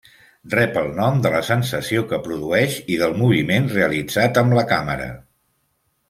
Rep el nom de la sensació que produeix i del moviment realitzat amb la càmera.